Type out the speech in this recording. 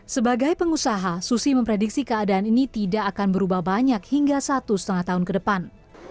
sebagai pengusaha susi memprediksi keadaan ini tidak akan berubah banyak hingga satu lima tahun ke depan